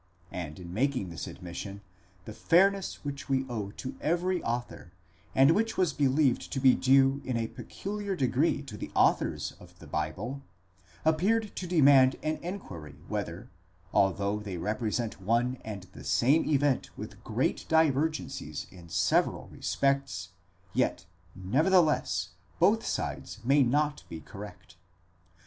And in making this admission, the fairness which we owe to every author, and which was believed to be due ina peculiar degree to the authors of the Bible, appeared to demand an enquiry whether, although they represent one and the same event with great divergencies in several respects, yet nevertheless both sides may not be correct.